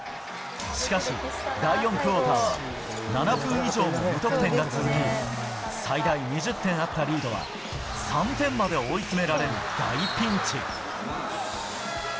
しかし、第４クオーターは７分以上も無得点が続き、最大２０点あったリードは、３点まで追い詰められる大ピンチ。